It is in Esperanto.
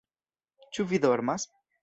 Ĉu vi dormas?